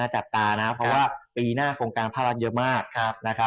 น่าจับตานะเพราะว่าปีหน้าโครงการพันธบาลเยอะมาก